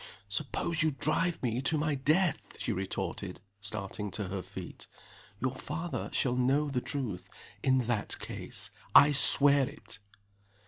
"Suppose you drive me to my death?" she retorted, starting to her feet. "Your father shall know the truth, in that case I swear it!"